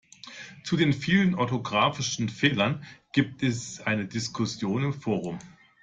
Zu den vielen orthografischen Fehlern gibt es eine Diskussion im Forum.